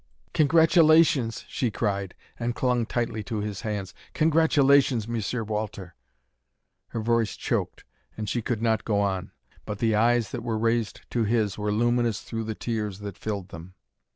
"Congratulations!" she cried, and clung tightly to his hands. "Congratulations, M'sieu Walter " Her voice choked and she could not go on; but the eyes that were raised to his were luminous through the tears that filled them.